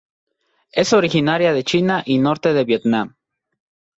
Es originaria de China y norte de Vietnam.